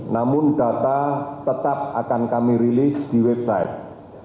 namun data tetap akan kami rilis di website